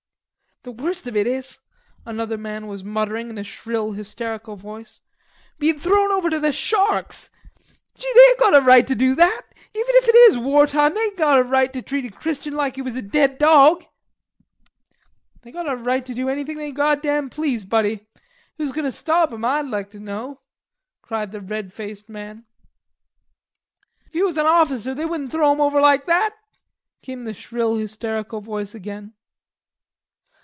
"The worst of it is," another man was muttering in a shrill hysterical voice, "bein' thrown over to the sharks. Gee, they ain't got a right to do that, even if it is war time, they ain't got a right to treat a Christian like he was a dead dawg." "They got a right to do anythin' they goddam please, buddy. Who's goin' to stop 'em I'd like to know," cried the red faced man. "If he was an awficer, they wouldn't throw him over like that," came the shrill hysterical voice again.